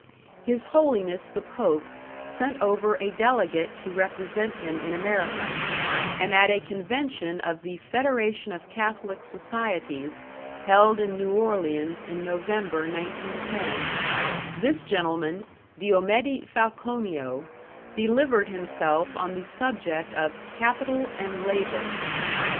His Holiness, the Pope, sent over a delegate to represent him in America, and at a convention of the Federation of Catholic Societies held in New Orleans in November, 1910, this gentleman, Diomede Falconio, delivered himself on the subject of Capital and Labor.